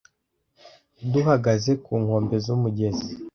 Duhagaze ku nkombe z'umugezi